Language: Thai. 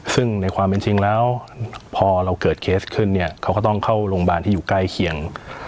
ซึ่งในความเป็นจริงแล้วพอเราเกิดเคสขึ้นเนี่ยเขาก็ต้องเข้าโรงพยาบาลที่อยู่ใกล้เคียง